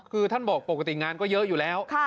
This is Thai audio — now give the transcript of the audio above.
คือท่านบอกปกติงานก็เยอะอยู่แล้ว